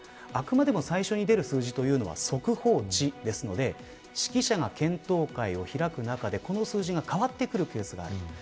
あくまでも最初に出る数字というのは速報値なので識者が検討会を開く中でこの数字が変わってくるケースがある。